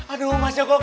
aduh mas joko